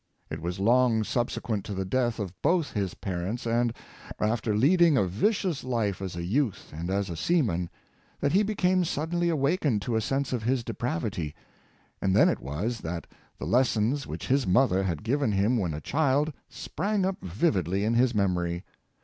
It was long subsequent to the death of both his parents, and after leading a vicious life as a youth and as a seaman, that he became sud denly awakened to a sense of his depravity, and then it Reconeciions of 2'outh. 97 was that the lessons which his mother had given him when a child sprang up vividly in his memory.